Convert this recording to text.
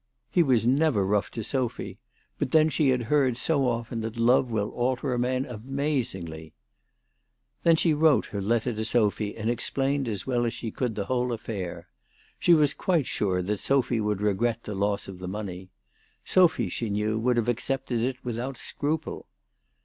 He was never rough to Sophy ; but then she had heard so often that love will alter a man amazingly ! Then she wrote her letter to Sophy, and explained as well as she could the whole affair. She was quite sure that Sophy would regret the loss of the money. Sophy, she knew, would have accepted it without scruple.